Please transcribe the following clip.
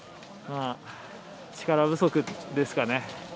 力不足ですかね。